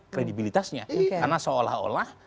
kredibilitasnya karena seolah olah